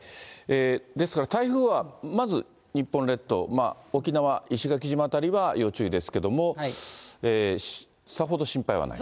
ですから、台風はまず日本列島、沖縄、石垣島辺りは要注意ですけども、さほど心配はない。